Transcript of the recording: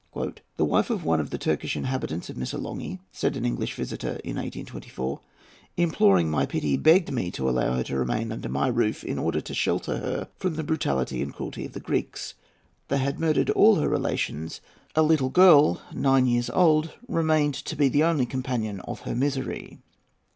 "The wife of one of the Turkish inhabitants of Missolonghi," said an English visitor in 1824, "imploring my pity, begged me to allow her to remain under my roof, in order to shelter her from the brutality and cruelty of the Greeks. They had murdered all her relations. A little girl, nine years old, remained to be the only companion of her misery."